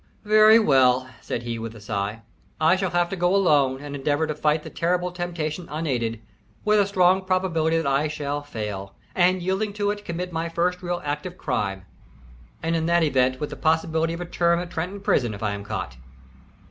"Very well," said he, with a sight. "I shall have to go alone and endeavor to fight the terrible temptation unaided, with a strong probability that I shall fail, and, yielding to it, commit my first real act of crime, and in that event, with the possibility of a term at Trenton prison, if I am caught."